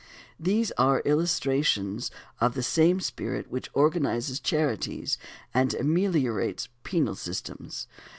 These are illustrations of the same spirit which organizes charity and ameliorates penal systems.